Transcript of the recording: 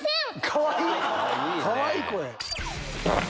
かわいい声！